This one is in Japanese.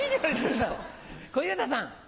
小遊三さん。